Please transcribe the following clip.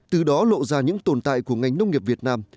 từ đó lộ ra những tồn tại của ngành nông nghiệp việt nam